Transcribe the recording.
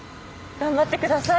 頑張って下さい！